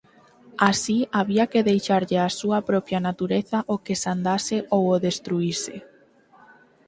Así había que deixarlle á súa propia natureza que o sandase ou o destruíse.